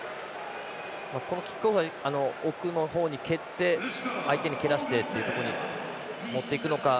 このキックオフは奥の方に蹴って相手に蹴らしてというところに持っていくのか。